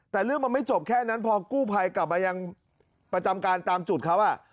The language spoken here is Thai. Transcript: แต่เรื่องมันไม่จบแค่นั้นพอกู้ภัยกลับมายังประจำการตามจุดเขา